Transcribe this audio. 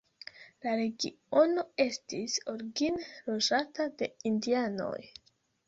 La regiono estis origine loĝata de indianoj.